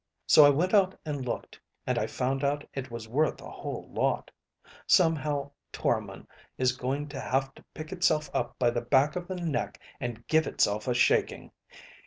So I went out and looked, and I found out it was worth a whole lot. Somehow Toromon is going to have to pick itself up by the back of the neck and give itself a shaking.